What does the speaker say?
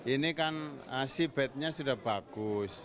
ini kan seabednya sudah bagus